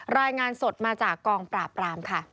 รายงานสดมาจากกองปราบปรามค่ะ